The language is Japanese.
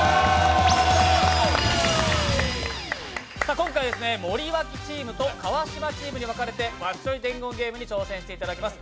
今回、森脇チームと川島チームに分かれて「わっしょい伝言ゲーム」に挑戦していただきます。